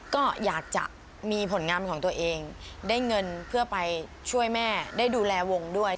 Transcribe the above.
ก็อยากจะมีผลงานของตัวเองได้เงินเพื่อไปช่วยแม่ได้ดูแลวงด้วย